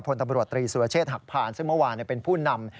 พลตำรวจตรีสุรเชษฐหักผ่านซึ่งเมื่อวานเป็นผู้นำ